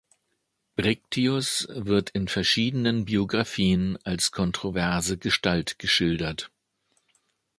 Brictius wird in verschiedenen Biographien als kontroverse Gestalt geschildert.